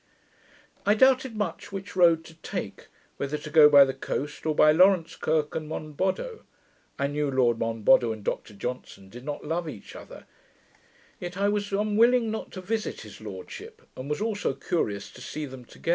I doubted much which road to take, whether to go by the coast, or by Lawrence Kirk and Monboddo. I knew Lord Monboddo and Dr Johnson did not love each other: yet I was unwilling not to visit his lordship; and was also curious to see them together.